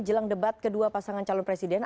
jelang debat kedua pasangan calon presiden